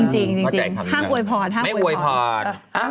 ห้ามโหยผ่อน